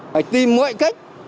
phải tìm mọi cách